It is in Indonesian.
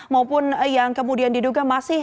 maupun yang kemudian diduga ke dunia